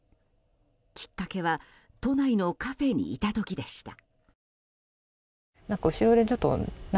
きっかけは都内のカフェにいた時でした。